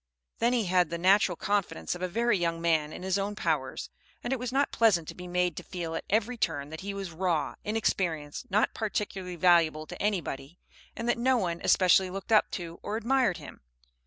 Then he had the natural confidence of a very young man in his own powers, and it was not pleasant to be made to feel at every turn that he was raw, inexperienced, not particularly valuable to anybody, and that no one especially looked up to or admired him.